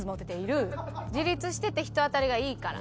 「自立してて人当たりがいいから」。